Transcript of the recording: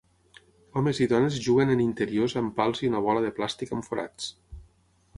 Homes i dones juguen en interiors amb pals i una bola de plàstic amb forats.